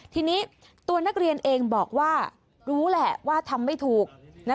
ทีนี้ตัวนักเรียนเองบอกว่ารู้แหละว่าทำไม่ถูก